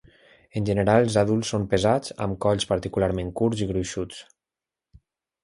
En general els adults són pesats, amb colls particularment curts i gruixuts.